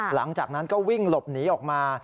หลังจากนั้นก็วิ่งหลบหนีออกมา